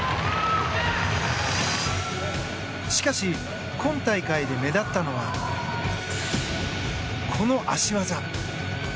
しかし、今大会で目立ったのはこの足技。